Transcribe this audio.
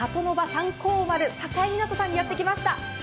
三光丸境港さんにやってきました。